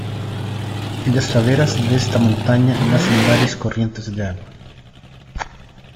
En las laderas de esta montaña nacen varias corrientes de agua.